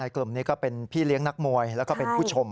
กลุ่มนี้ก็เป็นพี่เลี้ยงนักมวยแล้วก็เป็นผู้ชม